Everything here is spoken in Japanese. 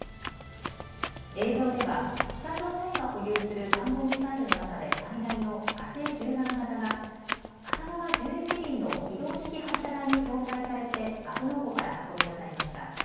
映像では、北朝鮮が保有する弾道ミサイルの中で最大の火星１７型が、片側１１輪の移動式発射台に搭載されて格納庫から運び出されました。